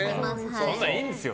そんなん、いいんですよ